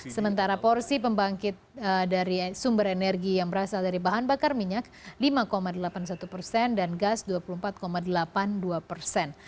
sementara porsi pembangkit dari sumber energi yang berasal dari bahan bakar minyak lima delapan puluh satu persen dan gas dua puluh empat delapan puluh dua persen